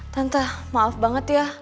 tante maaf banget ya